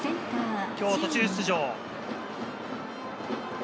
今日、途中出場。